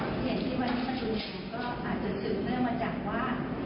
ตอนนี้เนี่ยเห็นที่วันนี้มันเป็นส่วนหนึ่งก็อาจจะถึงเนื่องมาจากว่า